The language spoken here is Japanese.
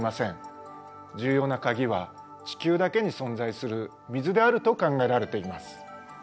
重要な鍵は地球だけに存在する水であると考えられています。